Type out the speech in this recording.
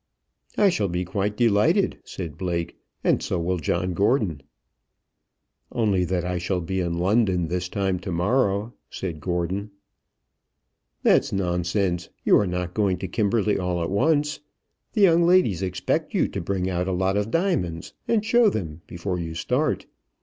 "I shall be quite delighted," said Blake, "and so will John Gordon." "Only that I shall be in London this time to morrow," said Gordon. "That's nonsense. You are not going to Kimberley all at once. The young ladies expect you to bring out a lot of diamonds and show them before you start.